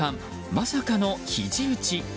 まさかの、ひじ打ち。